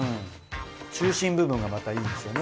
中心部分がまたいいですよね。